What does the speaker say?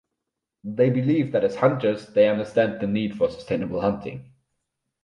They believe that as hunters they understand the need for sustainable hunting.